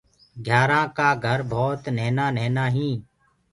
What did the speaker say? گھيآرآنٚ ڪآ گھر ڀوت نهينآ نهينآ هينٚ۔